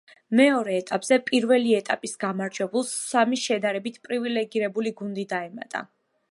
მეორე ეტაპზე პირველი ეტაპის გამარჯვებულს სამი შედარებით პრივილიგირებული გუნდი დაემატა.